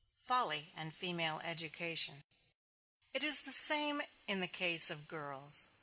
FOLLY AND FEMALE EDUCATION It is the same in the case of girls.